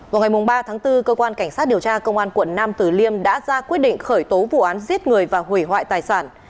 vào ngày ba tháng bốn cơ quan cảnh sát điều tra công an quận nam tử liêm đã ra quyết định khởi tố vụ án giết người và hủy hoại tài sản